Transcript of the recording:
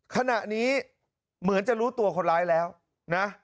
ขณะนี้เหมือนจะรู้ตัวคนร้ายแล้วนะ